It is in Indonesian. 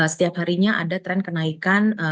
setiap harinya ada tren kenaikan